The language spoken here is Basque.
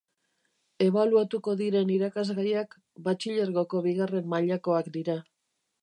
Ebaluatuko diren irakasgaiak Batxilergoko bigarren mailakoak dira.